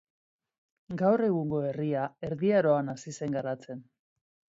Gaur egungo herria Erdi Aroan hasi zen garatzen.